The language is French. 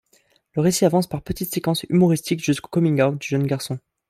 Le récit avance par petites séquences humoristiques jusqu’au coming-out du jeune garçon.